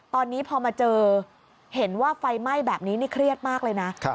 ตอนนี้พอมาเจอเห็นว่าไฟไหม้แบบนี้นี่เครียดมากเลยนะ